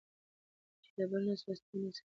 چي د بل نه سوه. ستا نه سي کېدلی.